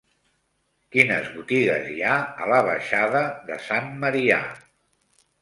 Quines botigues hi ha a la baixada de Sant Marià?